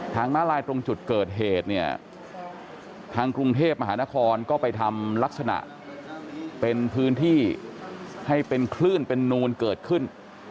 ม้าลายตรงจุดเกิดเหตุเนี่ยทางกรุงเทพมหานครก็ไปทำลักษณะเป็นพื้นที่ให้เป็นคลื่นเป็นนูนเกิดขึ้น